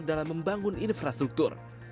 dalam membangun infrastruktur